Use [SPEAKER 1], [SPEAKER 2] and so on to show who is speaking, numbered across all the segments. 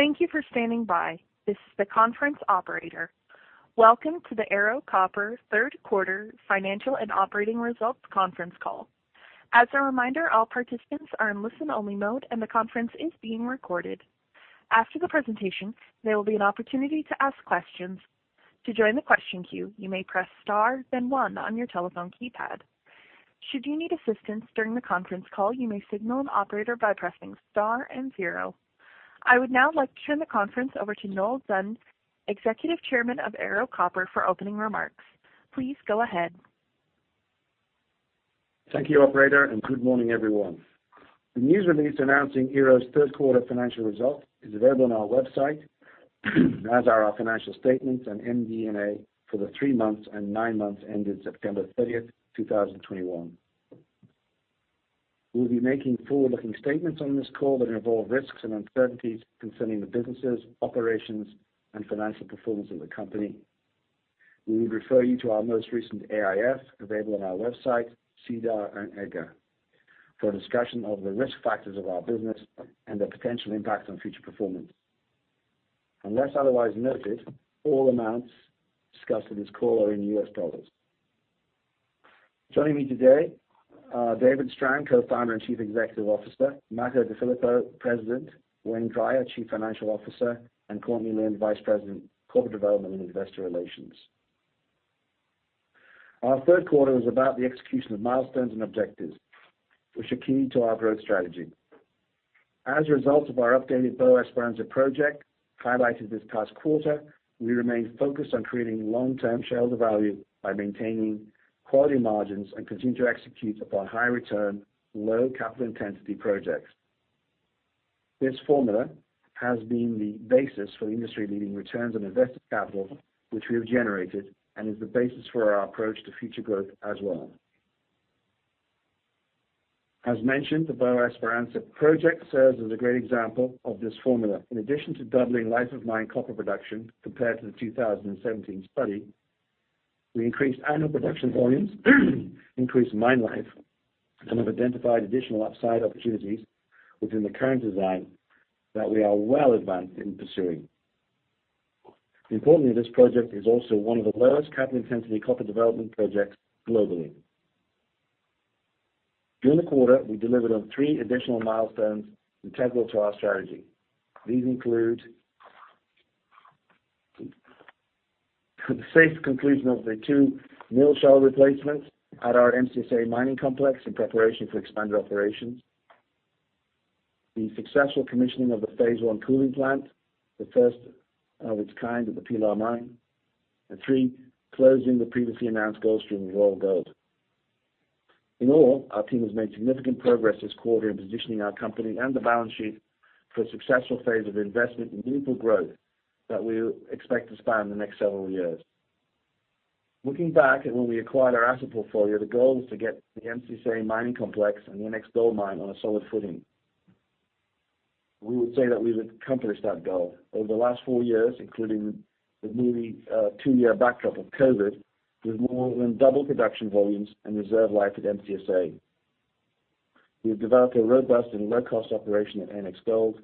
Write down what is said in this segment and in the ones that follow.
[SPEAKER 1] Thank you for standing by. This is the conference operator. Welcome to the Ero Copper Third Quarter Financial and Operating Results Conference Call. As a reminder, all participants are in listen-only mode, and the conference is being recorded. After the presentation, there will be an opportunity to ask questions. To join the question queue, you may press star, then one on your telephone keypad. Should you need assistance during the conference call, you may signal an operator by pressing star and zero. I would now like to turn the conference over to Noel Dunn, Executive Chairman of Ero Copper, for opening remarks. Please go ahead.
[SPEAKER 2] Thank you, operator, and good morning, everyone. The news release announcing Ero's third quarter financial results is available on our website, as are our financial statements and MD&A for the 3 months and 9 months ended September 30, 2021. We'll be making forward-looking statements on this call that involve risks and uncertainties concerning the businesses, operations, and financial performance of the company. We would refer you to our most recent AIF available on our website, SEDAR, and EDGAR for a discussion of the risk factors of our business and their potential impact on future performance. Unless otherwise noted, all amounts discussed in this call are in U.S. dollars. Joining me today are David Strang, Co-founder and Chief Executive Officer, Makko DeFilippo, President, Wayne Drier, Chief Financial Officer, and Courtney Lynn, Vice President, Corporate Development and Investor Relations. Our third quarter was about the execution of milestones and objectives, which are key to our growth strategy. As a result of our updated Boa Esperança project highlighted this past quarter, we remain focused on creating long-term shareholder value by maintaining quality margins and continue to execute upon high return, low capital intensity projects. This formula has been the basis for industry-leading returns on invested capital, which we have generated and is the basis for our approach to future growth as well. As mentioned, the Boa Esperança project serves as a great example of this formula. In addition to doubling life of mine copper production compared to the 2017 study, we increased annual production volumes, increased mine life, and have identified additional upside opportunities within the current design that we are well-advanced in pursuing. Importantly, this project is also one of the lowest capital intensity copper development projects globally. During the quarter, we delivered on three additional milestones integral to our strategy. These include the safe conclusion of the two mill shell replacements at our MCSA Mining Complex in preparation for expanded operations, the successful commissioning of the phase one cooling plant, the first of its kind at the Pilar Mine, and three, closing the previously announced gold stream with Royal Gold. In all, our team has made significant progress this quarter in positioning our company and the balance sheet for a successful phase of investment and meaningful growth that we expect to span the next several years. Looking back at when we acquired our asset portfolio, the goal was to get the MCSA Mining Complex and the NX Gold mine on a solid footing. We would say that we've accomplished that goal. Over the last four years, including the nearly two-year backdrop of COVID, we've more than doubled production volumes and reserve life at MCSA. We have developed a robust and low-cost operation at NX Gold.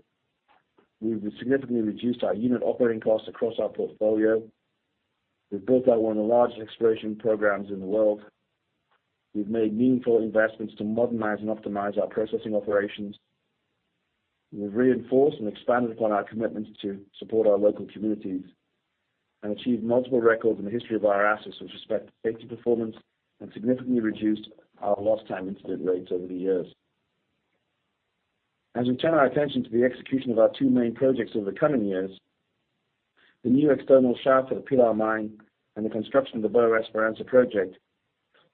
[SPEAKER 2] We've significantly reduced our unit operating costs across our portfolio. We've built out one of the largest exploration programs in the world. We've made meaningful investments to modernize and optimize our processing operations. We've reinforced and expanded upon our commitment to support our local communities and achieved multiple records in the history of our assets with respect to safety performance and significantly reduced our lost time incident rates over the years. As we turn our attention to the execution of our two main projects over the coming years, the new external shaft at the Pilar mine and the construction of the Boa Esperança project,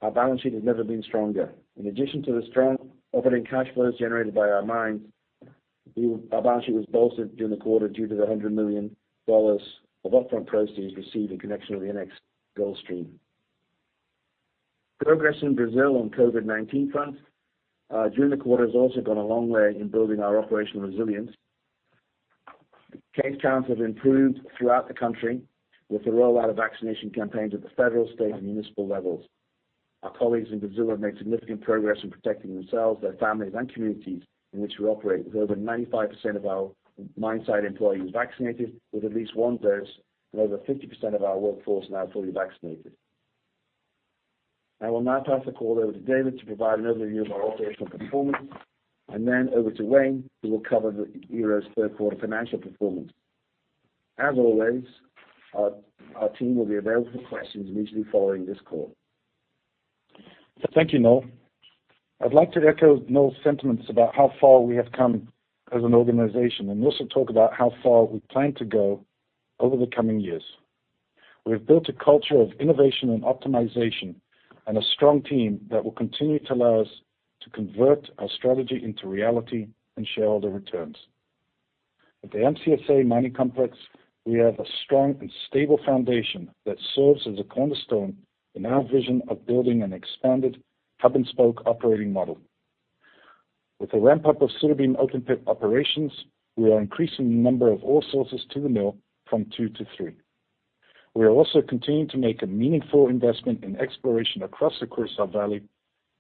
[SPEAKER 2] our balance sheet has never been stronger. In addition to the strong operating cash flows generated by our mines, our balance sheet was bolstered during the quarter due to the $100 million of upfront proceeds received in connection with the NX Gold stream. Progress in Brazil on COVID-19 front during the quarter has also gone a long way in building our operational resilience. Case counts have improved throughout the country with the rollout of vaccination campaigns at the federal, state, and municipal levels. Our colleagues in Brazil have made significant progress in protecting themselves, their families, and communities in which we operate, with over 95% of our mine site employees vaccinated with at least one dose and over 50% of our workforce now fully vaccinated. I will now pass the call over to David to provide an overview of our operational performance, and then over to Wayne, who will cover the Ero's third quarter financial performance. As always, our team will be available for questions immediately following this call.
[SPEAKER 3] Thank you, Noel. I'd like to echo Noel's sentiments about how far we have come as an organization and also talk about how far we plan to go over the coming years. We have built a culture of innovation and optimization and a strong team that will continue to allow us to convert our strategy into reality and shareholder returns. At the MCSA Mining Complex, we have a strong and stable foundation that serves as a cornerstone in our vision of building an expanded hub and spoke operating model. With the ramp up of Surubim open pit operations, we are increasing the number of ore sources to the mill from two to three. We are also continuing to make a meaningful investment in exploration across the Curaçá Valley,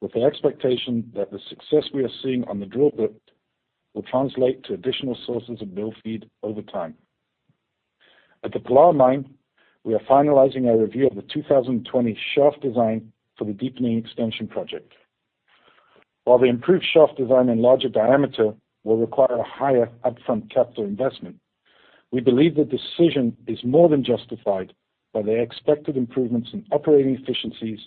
[SPEAKER 3] with the expectation that the success we are seeing on the drill bit will translate to additional sources of mill feed over time. At the Pilar Mine, we are finalizing our review of the 2020 shaft design for the Deepening Extension project. While the improved shaft design and larger diameter will require a higher upfront capital investment, we believe the decision is more than justified by the expected improvements in operating efficiencies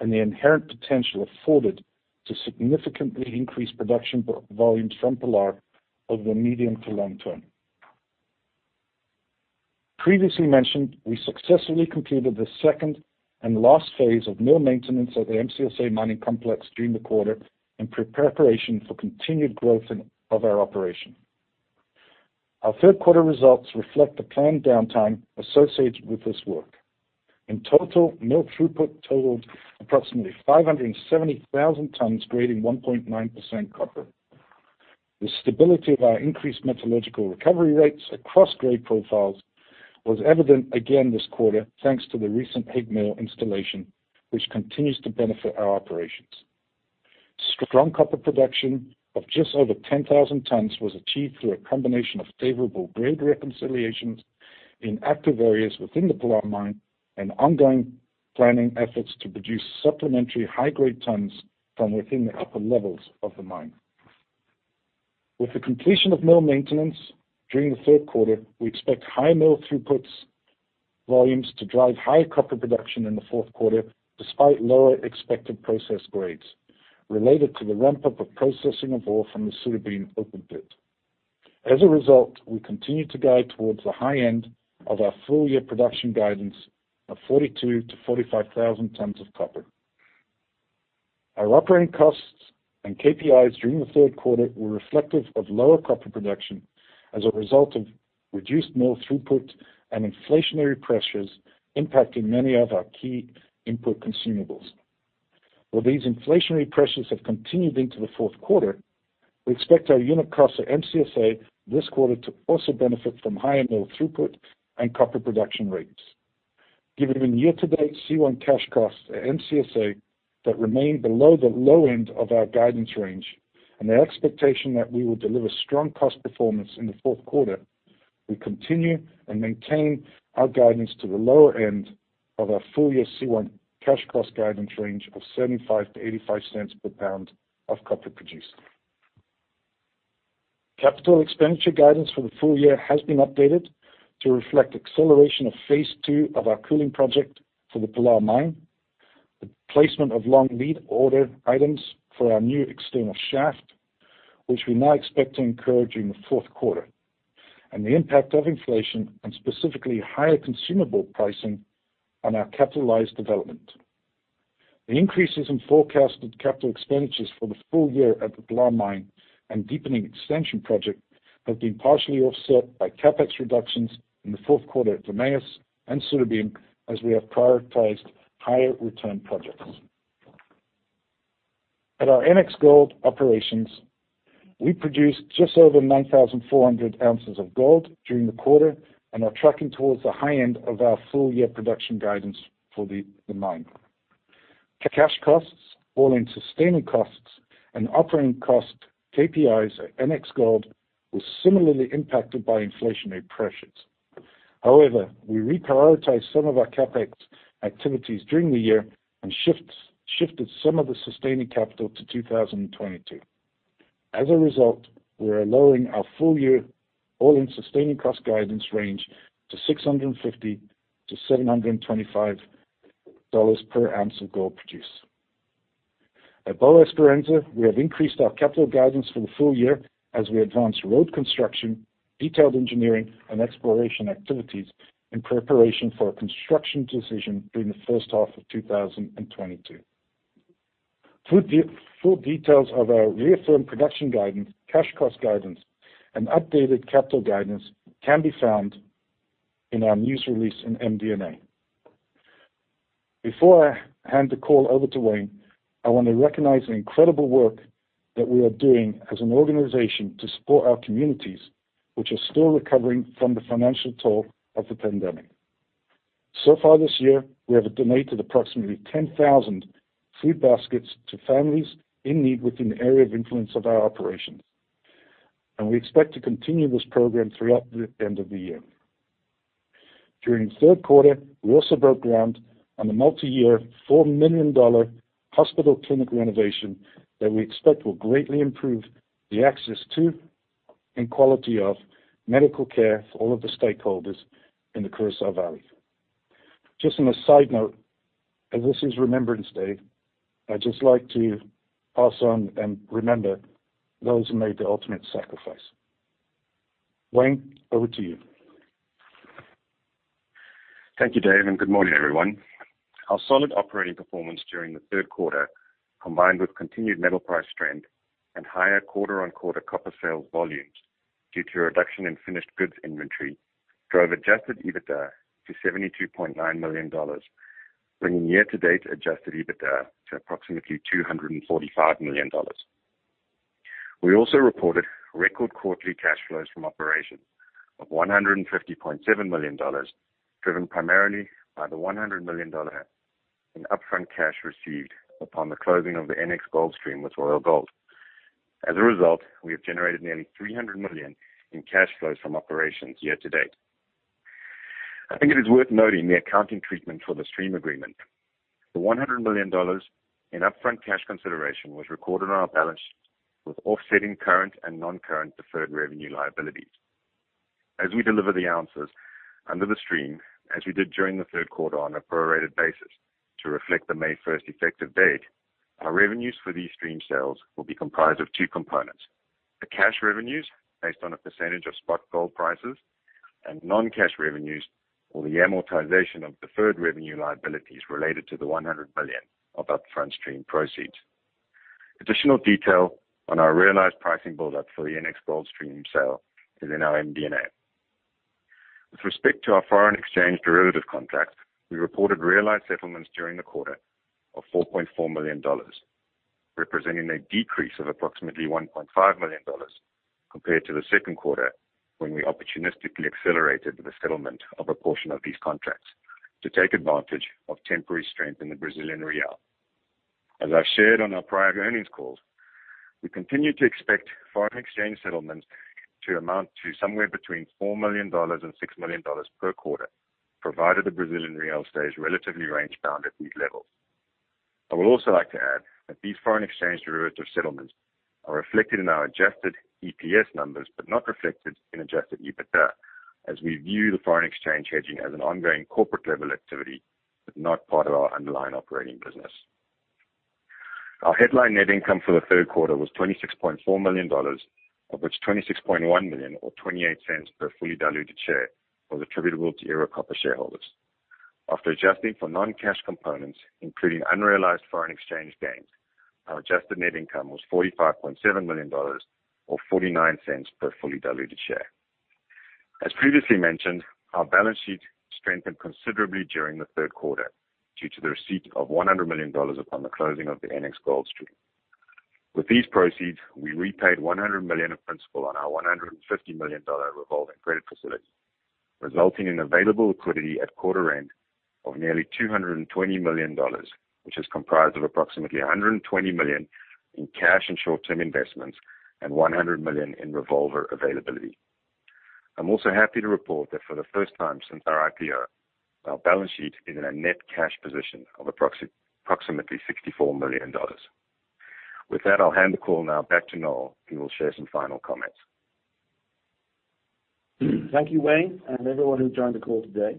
[SPEAKER 3] and the inherent potential afforded to significantly increase production volume from Pilar over the medium to long term. Previously mentioned, we successfully completed the second and last phase of mill maintenance at the MCSA Mining Complex during the quarter in preparation for continued growth in our operation. Our third quarter results reflect the planned downtime associated with this work. In total, mill throughput totaled approximately 570,000 tons, grading 1.9% copper. The stability of our increased metallurgical recovery rates across grade profiles was evident again this quarter, thanks to the recent AG mill installation, which continues to benefit our operations. Strong copper production of just over 10,000 tons was achieved through a combination of favorable grade reconciliations in active areas within the Pilar Mine and ongoing planning efforts to produce supplementary high-grade tons from within the upper levels of the mine. With the completion of mill maintenance during the third quarter, we expect high mill throughputs volumes to drive high copper production in the fourth quarter, despite lower expected process grades related to the ramp-up of processing of ore from the Surubim open pit. As a result, we continue to guide towards the high end of our full-year production guidance of 42,000-45,000 tons of copper. Our operating costs and KPIs during the third quarter were reflective of lower copper production as a result of reduced mill throughput and inflationary pressures impacting many of our key input consumables. While these inflationary pressures have continued into the fourth quarter, we expect our unit cost at MCSA this quarter to also benefit from higher mill throughput and copper production rates. Given year-to-date C1 cash costs at MCSA that remain below the low end of our guidance range and the expectation that we will deliver strong cost performance in the fourth quarter, we continue and maintain our guidance to the lower end of our full-year C1 cash cost guidance range of $0.75-$0.85 per pound of copper produced. Capital expenditure guidance for the full year has been updated to reflect acceleration of phase two of our cooling project for the Pilar Mine, the placement of long lead order items for our new external shaft, which we now expect to incur during the fourth quarter, and the impact of inflation and specifically higher consumable pricing on our capitalized development. The increases in forecasted capital expenditures for the full year at the Pilar Mine and Deepening Extension project have been partially offset by CapEx reductions in the fourth quarter at NX Gold and Surubim, as we have prioritized higher return projects. At our NX Gold operations, we produced just over 9,400 ounces of gold during the quarter and are tracking towards the high end of our full-year production guidance for the mine. Cash costs, all-in sustaining costs and operating cost KPIs at NX Gold was similarly impacted by inflationary pressures. However, we reprioritized some of our CapEx activities during the year and shifted some of the sustaining capital to 2022. As a result, we are lowering our full-year all-in sustaining cost guidance range to $650-$725 per ounce of gold produced. At Boa Esperança, we have increased our capital guidance for the full year as we advance road construction, detailed engineering and exploration activities in preparation for a construction decision during the first half of 2022. Full details of our reaffirmed production guidance, cash cost guidance, and updated capital guidance can be found in our news release in MD&A. Before I hand the call over to Wayne, I want to recognize the incredible work that we are doing as an organization to support our communities, which are still recovering from the financial toll of the pandemic. So far this year, we have donated approximately 10,000 food baskets to families in need within the area of influence of our operations, and we expect to continue this program throughout the end of the year. During the third quarter, we also broke ground on the multiyear, $4 million hospital clinic renovation that we expect will greatly improve the access to and quality of medical care for all of the stakeholders in the Curaçá Valley. Just on a side note, as this is Remembrance Day, I'd just like to pass on and remember those who made the ultimate sacrifice. Wayne, over to you.
[SPEAKER 4] Thank you, Dave, and good morning, everyone. Our solid operating performance during the third quarter, combined with continued metal price trend and higher quarter-on-quarter copper sales volumes due to a reduction in finished goods inventory, drove adjusted EBITDA to $72.9 million, bringing year-to-date adjusted EBITDA to approximately $245 million. We also reported record quarterly cash flows from operations of $150.7 million, driven primarily by the $100 million in upfront cash received upon the closing of the NX Gold stream with Royal Gold. As a result, we have generated nearly $300 million in cash flows from operations year-to-date. I think it is worth noting the accounting treatment for the stream agreement. The $100 million in upfront cash consideration was recorded on our balance with offsetting current and non-current deferred revenue liabilities. As we deliver the ounces under the stream, as we did during the third quarter on a prorated basis to reflect the May 1 effective date, our revenues for these stream sales will be comprised of two components, the cash revenues based on a percentage of spot gold prices and non-cash revenues, or the amortization of deferred revenue liabilities related to the $100 million of upfront stream proceeds. Additional detail on our realized pricing buildup for the NX Gold stream sale is in our MD&A. With respect to our foreign exchange derivative contract, we reported realized settlements during the quarter of $4.4 million, representing a decrease of approximately $1.5 million compared to the second quarter, when we opportunistically accelerated the settlement of a portion of these contracts to take advantage of temporary strength in the Brazilian real. As I've shared on our prior earnings calls, we continue to expect foreign exchange settlements to amount to somewhere between $4 million and $6 million per quarter, provided the Brazilian real stays relatively range bound at these levels. I would also like to add that these foreign exchange derivative settlements are reflected in our adjusted EPS numbers, but not reflected in adjusted EBITDA, as we view the foreign exchange hedging as an ongoing corporate level activity, but not part of our underlying operating business. Our headline net income for the third quarter was $26.4 million, of which $26.1 million or $0.28 per fully diluted share was attributable to Ero Copper shareholders. After adjusting for non-cash components, including unrealized foreign exchange gains, our adjusted net income was $45.7 million or $0.49 per fully diluted share. As previously mentioned, our balance sheet strengthened considerably during the third quarter due to the receipt of $100 million upon the closing of the NX Gold stream. With these proceeds, we repaid $100 million of principal on our $150 million revolving credit facility, resulting in available liquidity at quarter end of nearly $220 million, which is comprised of approximately $120 million in cash and short-term investments and $100 million in revolver availability. I'm also happy to report that for the first time since our IPO, our balance sheet is in a net cash position of approximately $64 million. With that, I'll hand the call now back to Noel, who will share some final comments.
[SPEAKER 2] Thank you, Wayne, and everyone who joined the call today.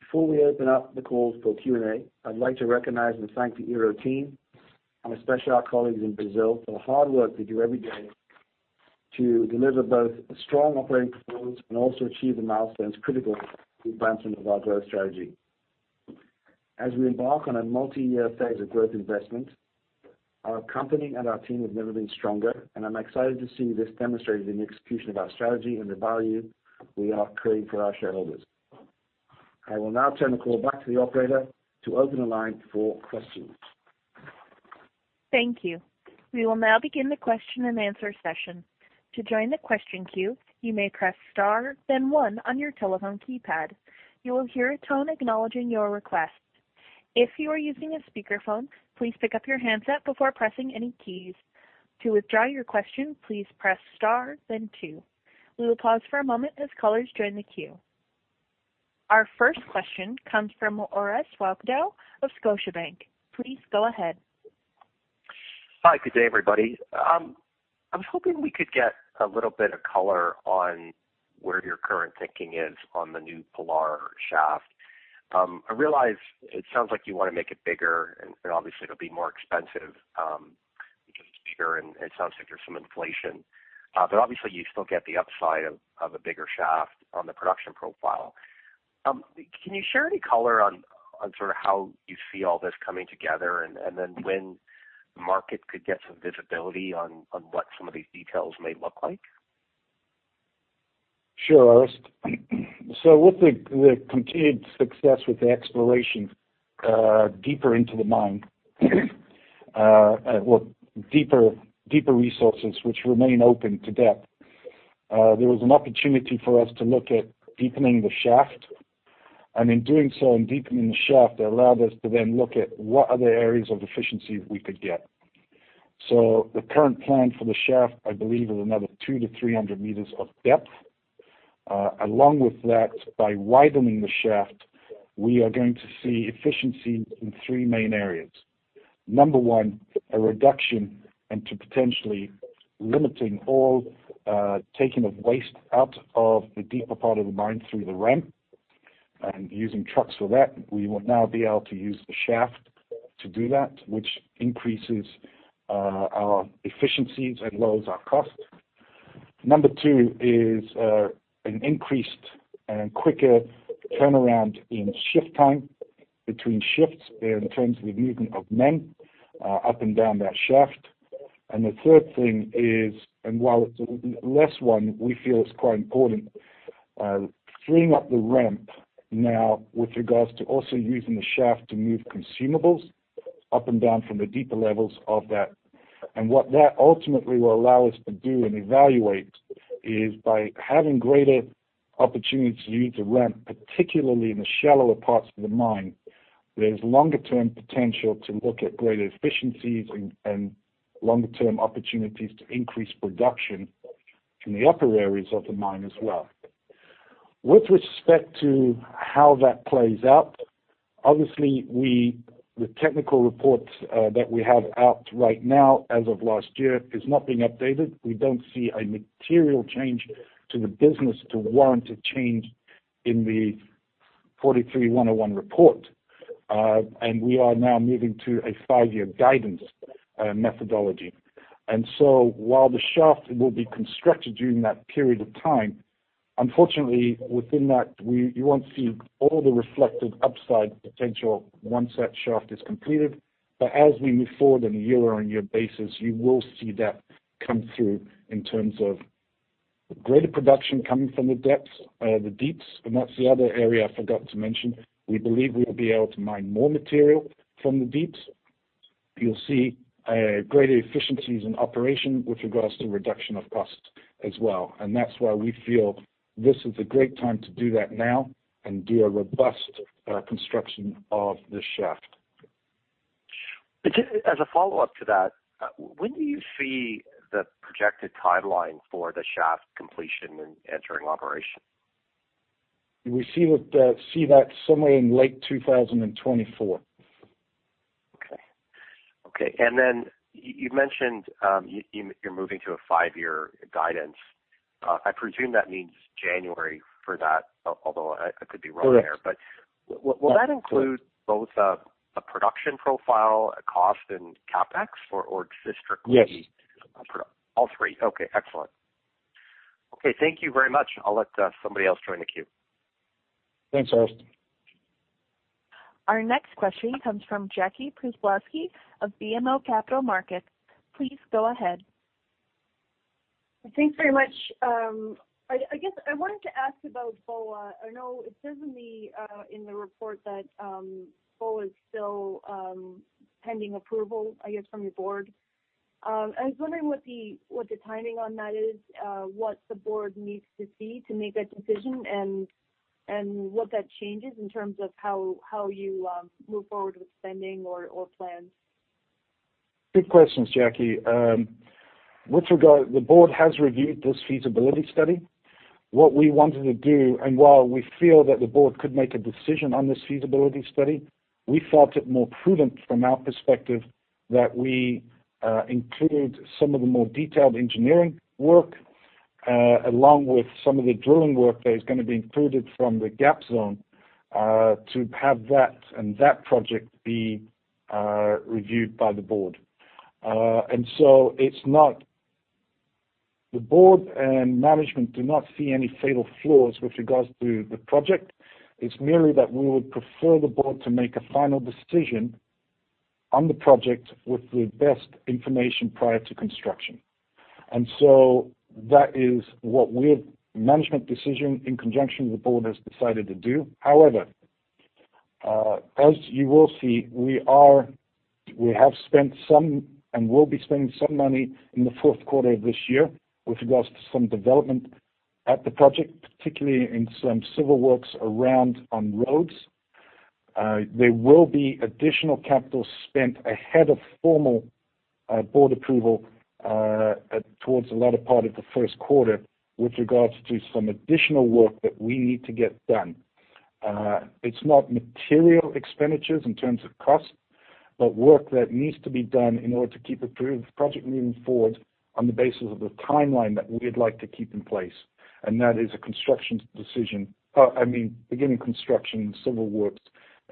[SPEAKER 2] Before we open up the calls for Q&A, I'd like to recognize and thank the Ero team, and especially our colleagues in Brazil, for the hard work they do every day to deliver both strong operating performance and also achieve the milestones critical to advancement of our growth strategy. As we embark on a multi-year phase of growth investment, our company and our team have never been stronger, and I'm excited to see this demonstrated in the execution of our strategy and the value we are creating for our shareholders. I will now turn the call back to the operator to open the line for questions.
[SPEAKER 1] Thank you. We will now begin the question-and-answer session. To join the question queue, you may press star then one on your telephone keypad. You will hear a tone acknowledging your request. If you are using a speakerphone, please pick up your handset before pressing any keys. To withdraw your question, please press star then two. We will pause for a moment as callers join the queue. Our first question comes from Orest Wowkodaw of Scotiabank. Please go ahead.
[SPEAKER 5] Hi, good day, everybody. I was hoping we could get a little bit of color on where your current thinking is on the new Pilar shaft. I realize it sounds like you want to make it bigger, and obviously it'll be more expensive, because it's bigger, and it sounds like there's some inflation, but obviously you still get the upside of a bigger shaft on the production profile. Can you share any color on sort of how you see all this coming together and then when the market could get some visibility on what some of these details may look like?
[SPEAKER 3] Sure, Orest. With the continued success with the exploration deeper into the mine, deeper resources which remain open to depth, there was an opportunity for us to look at deepening the shaft. In doing so, in deepening the shaft, it allowed us to then look at what other areas of efficiency we could get. The current plan for the shaft, I believe, is another 200-300 meters of depth. Along with that, by widening the shaft, we are going to see efficiency in three main areas. Number one, a reduction into potentially limiting all taking of waste out of the deeper part of the mine through the ramp and using trucks for that. We will now be able to use the shaft to do that, which increases our efficiencies and lowers our cost. Number two is an increased and quicker turnaround in shift time between shifts in terms of the movement of men up and down that shaft. The third thing is, while it's less of one, we feel it's quite important, freeing up the ramp now with regards to also using the shaft to move consumables up and down from the deeper levels of that. What that ultimately will allow us to do and evaluate is by having greater opportunity to use the ramp, particularly in the shallower parts of the mine. There's longer-term potential to look at greater efficiencies and longer-term opportunities to increase production in the upper areas of the mine as well. With respect to how that plays out, obviously the technical reports that we have out right now as of last year is not being updated. We don't see a material change to the business to warrant a change in the 43-101 report. We are now moving to a five-year guidance methodology. While the shaft will be constructed during that period of time, unfortunately, within that, you won't see all the reflected upside potential once that shaft is completed. As we move forward on a year-on-year basis, you will see that come through in terms of greater production coming from the deeps, and that's the other area I forgot to mention. We believe we'll be able to mine more material from the deeps. You'll see greater efficiencies in operation with regards to reduction of costs as well. That's why we feel this is a great time to do that now and do a robust construction of the shaft.
[SPEAKER 5] Particularly as a follow-up to that, when do you see the projected timeline for the shaft completion and entering operation?
[SPEAKER 3] We see that somewhere in late 2024.
[SPEAKER 5] Okay. You mentioned you're moving to a five-year guidance. I presume that means January for that, although I could be wrong there.
[SPEAKER 3] Correct.
[SPEAKER 5] Will that include both a production profile, a cost and CapEx or just strictly...
[SPEAKER 3] Yes.
[SPEAKER 5] All three. Okay, excellent. Okay, thank you very much. I'll let somebody else join the queue.
[SPEAKER 3] Thanks, Orest.
[SPEAKER 1] Our next question comes from Jackie Przybylowski of BMO Capital Markets. Please go ahead.
[SPEAKER 6] Thanks very much. I guess I wanted to ask about Boa. I know it says in the report that Boa is still pending approval, I guess, from your board. I was wondering what the timing on that is, what the board needs to see to make that decision and what that changes in terms of how you move forward with spending or plans.
[SPEAKER 3] Good questions, Jackie. With regard, the board has reviewed this feasibility study. What we wanted to do, and while we feel that the board could make a decision on this feasibility study, we thought it more prudent from our perspective that we include some of the more detailed engineering work along with some of the drilling work that is gonna be included from the Gap Zone to have that and that project be reviewed by the board. It's not the board and management do not see any fatal flaws with regards to the project. It's merely that we would prefer the board to make a final decision on the project with the best information prior to construction. That is what we have management decision in conjunction with the board has decided to do. However, as you will see, we have spent some and will be spending some money in the fourth quarter of this year with regards to some development at the project, particularly in some civil works around on roads. There will be additional capital spent ahead of formal board approval towards the latter part of the first quarter with regards to some additional work that we need to get done. It's not material expenditures in terms of cost, but work that needs to be done in order to keep approved project moving forward on the basis of the timeline that we'd like to keep in place. That is a construction decision, I mean, beginning construction, civil works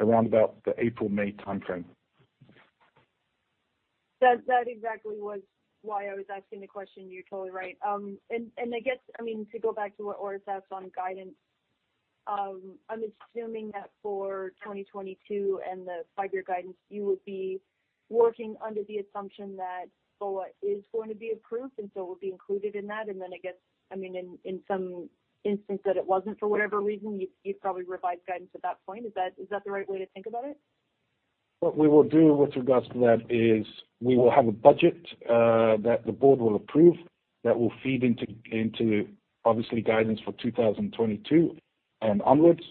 [SPEAKER 3] around about the April-May timeframe.
[SPEAKER 6] That exactly was why I was asking the question. You're totally right. I guess, I mean, to go back to what Orest asked on guidance, I'm assuming that for 2022 and the five-year guidance, you would be working under the assumption that Boa is going to be approved and so will be included in that. I guess, I mean, in some instance that it wasn't for whatever reason, you'd probably revise guidance at that point. Is that the right way to think about it?
[SPEAKER 3] What we will do with regards to that is we will have a budget that the board will approve that will feed into obviously guidance for 2022 and onwards.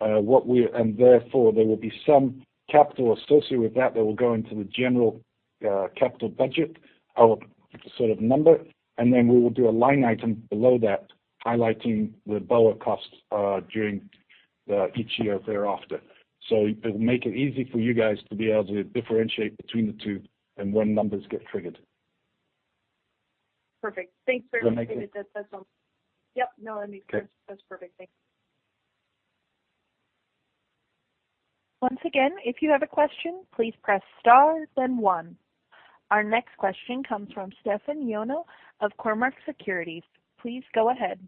[SPEAKER 3] And therefore there will be some capital associated with that that will go into the general capital budget sort of number. Then we will do a line item below that, highlighting the Boa costs during each year thereafter. It will make it easy for you guys to be able to differentiate between the two and when numbers get triggered.
[SPEAKER 6] Perfect. Thanks very much.
[SPEAKER 3] Does that make sense?
[SPEAKER 6] That's all.
[SPEAKER 3] Okay.
[SPEAKER 6] That's perfect. Thanks.
[SPEAKER 1] Once again, if you have a question, please press star then one. Our next question comes from Stefan Ioannou of Cormark Securities. Please go ahead.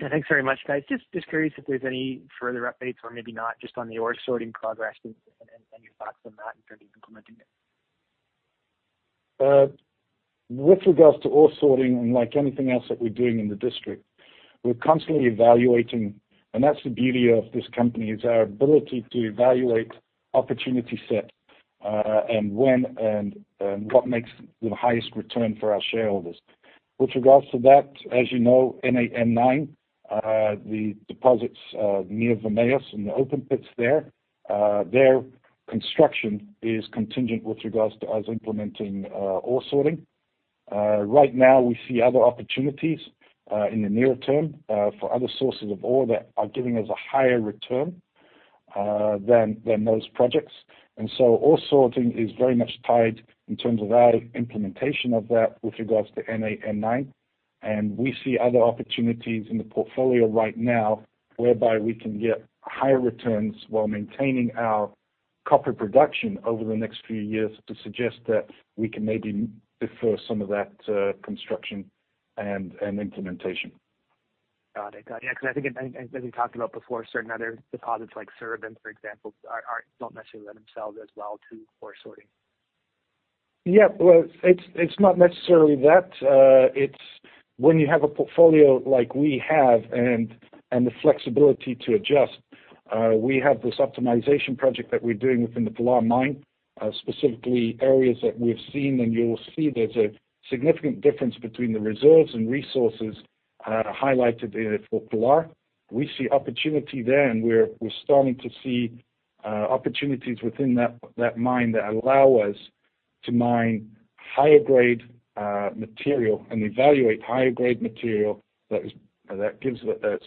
[SPEAKER 7] Yeah, thanks very much, guys. Just curious if there's any further updates or maybe not just on the ore sorting progress and your thoughts on that in terms of implementing it.
[SPEAKER 3] With regards to ore sorting and like anything else that we're doing in the district, we're constantly evaluating, and that's the beauty of this company, is our ability to evaluate opportunity set, and when and what makes the highest return for our shareholders. With regards to that, as you know, N8, N9, the deposits, near Vermelhos and the open pits there, their construction is contingent with regards to us implementing, ore sorting. Right now we see other opportunities, in the near term, for other sources of ore that are giving us a higher return, than those projects. Ore sorting is very much tied in terms of our implementation of that with regards to N8, N9. We see other opportunities in the portfolio right now whereby we can get higher returns while maintaining our copper production over the next few years to suggest that we can maybe defer some of that, construction and implementation.
[SPEAKER 7] Got it. Yeah, 'cause I think as we talked about before, certain other deposits like Surubim, for example, don't necessarily lend themselves as well to ore sorting.
[SPEAKER 3] Yeah. Well, it's not necessarily that. It's when you have a portfolio like we have and the flexibility to adjust, we have this optimization project that we're doing within the Pilar Mine, specifically areas that we've seen. You'll see there's a significant difference between the reserves and resources, highlighted for Pilar. We see opportunity there, and we're starting to see opportunities within that mine that allow us to mine higher grade material and evaluate higher grade material that's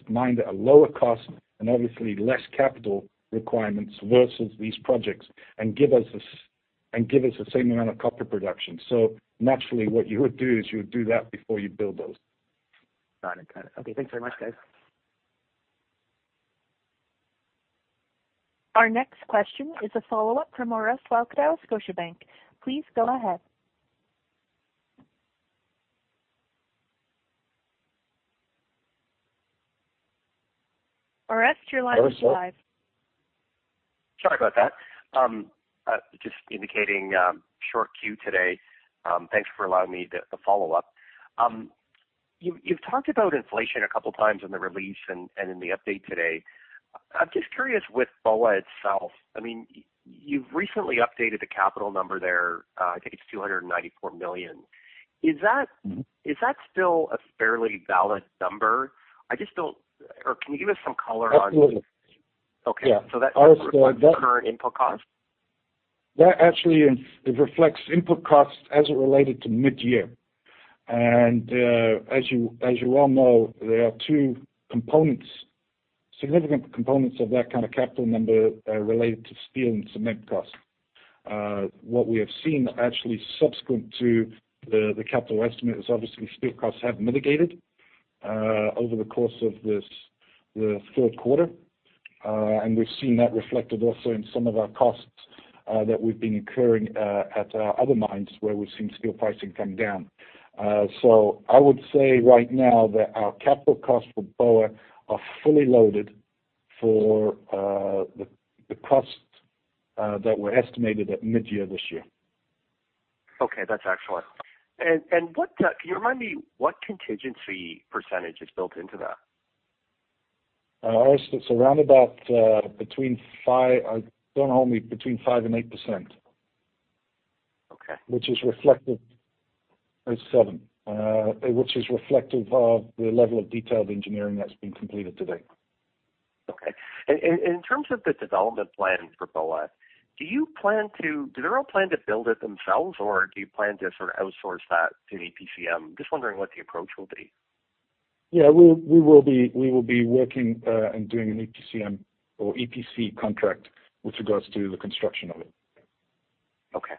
[SPEAKER 3] mined at a lower cost and obviously less capital requirements versus these projects and give us the same amount of copper production. Naturally, what you would do is you would do that before you build those.
[SPEAKER 7] Got it. Okay. Thanks very much, guys.
[SPEAKER 1] Our next question is a follow-up from Orest Wowkodaw, Scotiabank. Please go ahead. Orest, your line is live.
[SPEAKER 5] Sorry about that. Just indicating short queue today. Thanks for allowing me the follow-up. You've talked about inflation a couple times in the release and in the update today. I'm just curious with Boa itself, I mean, you've recently updated the capital number there. I think it's $294 million. Is that-
[SPEAKER 3] Mm-hmm.
[SPEAKER 5] Is that still a fairly valid number? I just don't. Can you give us some color on
[SPEAKER 3] Absolutely.
[SPEAKER 5] Okay.
[SPEAKER 3] Yeah.
[SPEAKER 5] That reflects the current input cost?
[SPEAKER 3] That actually it reflects input costs as it related to mid-year. As you well know, there are two components, significant components of that kind of capital number related to steel and cement costs. What we have seen actually subsequent to the capital estimate is obviously steel costs have mitigated over the course of the third quarter. We've seen that reflected also in some of our costs that we've been incurring at our other mines where we've seen steel pricing come down. I would say right now that our capital costs for Boa are fully loaded for the costs that were estimated at mid-year this year.
[SPEAKER 5] Okay. That's excellent. Can you remind me what contingency percentage is built into that?
[SPEAKER 3] Orest, it's around about, don't hold me, between 5% and 8%.
[SPEAKER 5] Okay.
[SPEAKER 3] It's 7%, which is reflective of the level of detailed engineering that's been completed to date.
[SPEAKER 5] Okay. In terms of the development plans for Boa, did Ero plan to build it themselves, or do you plan to sort of outsource that to an EPCM? Just wondering what the approach will be.
[SPEAKER 3] Yeah. We will be working and doing an EPCM or EPC contract with regards to the construction of it.
[SPEAKER 5] Okay.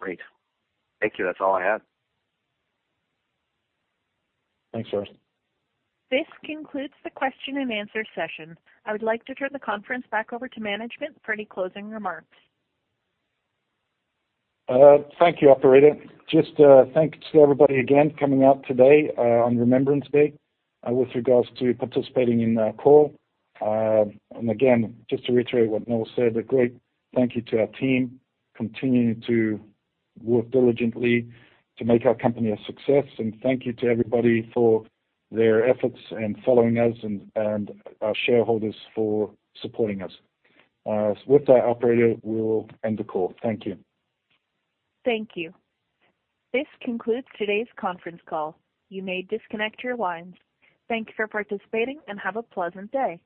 [SPEAKER 5] Great. Thank you. That's all I had.
[SPEAKER 3] Thanks, Orest.
[SPEAKER 1] This concludes the question and answer session. I would like to turn the conference back over to management for any closing remarks.
[SPEAKER 3] Thank you, operator. Just, thanks to everybody again coming out today, on Remembrance Day, with regards to participating in our call. Again, just to reiterate what Noel said, a great thank you to our team, continuing to work diligently to make our company a success. Thank you to everybody for their efforts and following us and our shareholders for supporting us. With that, operator, we will end the call. Thank you.
[SPEAKER 1] Thank you. This concludes today's conference call. You may disconnect your lines. Thank you for participating, and have a pleasant day.